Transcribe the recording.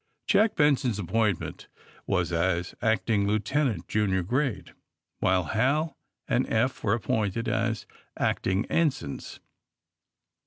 Jack Ben son's appointment was as acting lieutenant, junior grade, while Hal and Eph were appointed as acting ensigns.